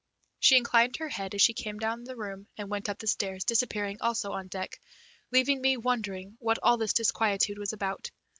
She inclined her head as she came down the room, and went up the stairs, disappearing also on deck, leaving me wondering what all this disquietude was about.